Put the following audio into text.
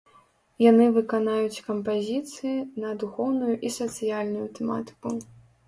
Яны выканаюць кампазіцыі на духоўную і сацыяльную тэматыку.